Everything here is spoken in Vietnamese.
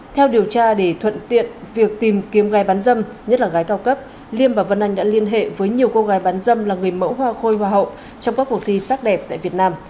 theo điều tra để thuận tiện việc tìm kiếm gái bán dâm nhất là gái cao cấp liêm và vân anh đã liên hệ với nhiều cô gái bán dâm là người mẫu hoa khôi hoa hậu trong các cuộc thi sắc đẹp tại việt nam